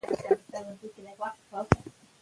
خبرې به ډېرې شي.